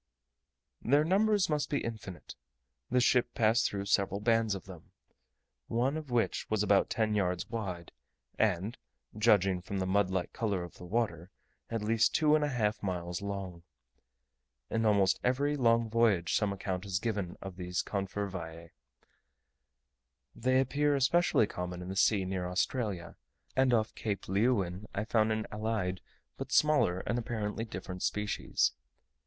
Their numbers must be infinite: the ship passed through several bands of them, one of which was about ten yards wide, and, judging from the mud like colour of the water, at least two and a half miles long. In almost every long voyage some account is given of these confervae. They appear especially common in the sea near Australia; and off Cape Leeuwin I found an allied but smaller and apparently different species.